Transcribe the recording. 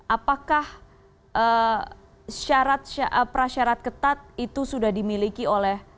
apakah prasyarat ketat itu sudah dimiliki oleh